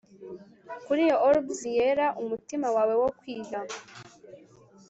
Kuri iyo orbs yera umutima wawe wo kwiga